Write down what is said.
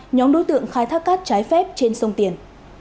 nhóm đối tượng khai thác cát trái phép trên sông tiền